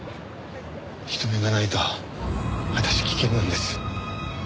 人目がないとあたし危険なんです。